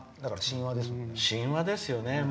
神話ですよね。